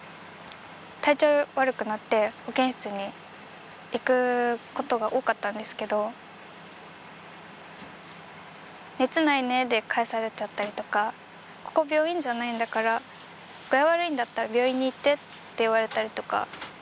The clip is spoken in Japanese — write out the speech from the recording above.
体調悪くなって保健室に行くことが多かったんですけど「熱ないね」で帰されちゃったりとか「ここ病院じゃないんだから具合悪いんだったら病院に行って」って言われたりとか。